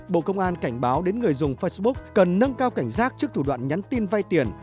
bộ công an cảnh báo đến người dùng facebook cần nâng cao cảnh giác trước thủ đoạn nhắn tin vay tiền